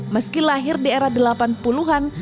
meski lahir di era delapan puluh an